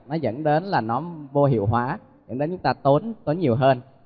nó dẫn đến là nó vô hiệu hóa dẫn đến chúng ta tốn tốn nhiều hơn